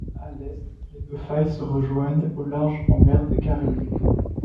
À l'est, les deux failles se rejoignent au large en mer des Caraïbes.